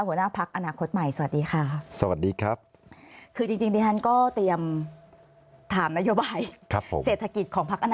หัวหน้าพักฯอนาคตใหม่สวัสดีค่ะ